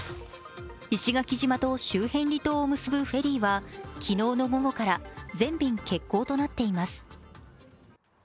石垣島と周辺離島を結ぶフェリーは昨日の午後から全便欠航となっています。